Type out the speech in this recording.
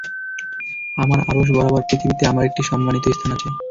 আমার আরশ বরাবর পৃথিবীতে আমার একটি সম্মানিত স্থান আছে।